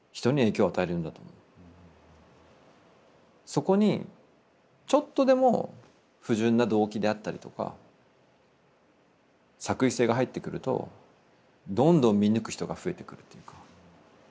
そこにちょっとでも不純な動機であったりとか作為性が入ってくるとどんどん見抜く人が増えてくるっていうか。